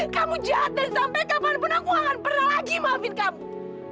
kamu jatuh sampai kapanpun aku akan pernah lagi maafin kamu